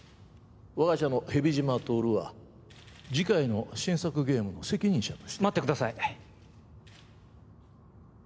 我が社の蛇島透は次回の新作ゲームの責任者として待ってください